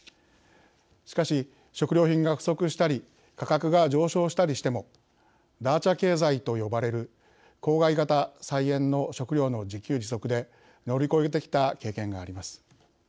しかし、食料品が不足したり価格が上昇したりしてもダーチャ経済と呼ばれる郊外型菜園の食料の自給自足で乗り越えてきた経験があります。